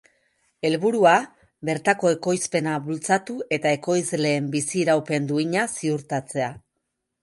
Helburua, bertako ekoizpena bultzatu eta ekoizleen bizi iraupen duina ziurtatzea.